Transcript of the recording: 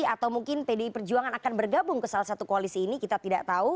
atau mungkin pdi perjuangan akan bergabung ke salah satu koalisi ini kita tidak tahu